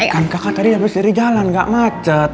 kan kakak tadi habis dari jalan gak macet